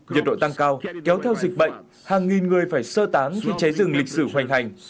nhiệt độ tăng cao kéo theo dịch bệnh hàng nghìn người phải sơ tán khi cháy rừng lịch sử hoành hành